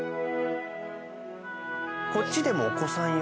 こっちでもお子さん用？